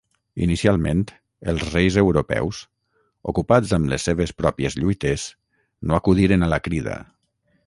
Inicialment, els reis europeus, ocupats amb les seves pròpies lluites no acudiren a la crida.